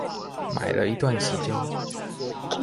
買了一段時間